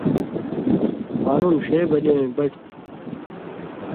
قانُون ݜے بلی وَیں بَٹیۡ تھی